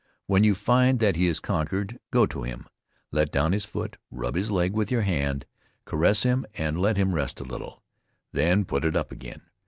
When you find that he is conquered, go to him, let down his foot, rub his leg with your hand, caress him and let him rest a little, then put it up again.